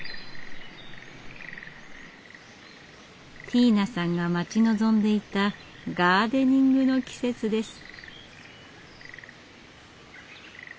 ティーナさんが待ち望んでいたガーデニングの季節です。